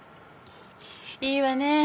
いいわね。